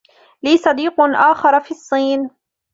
لي صديق آخر في الصين.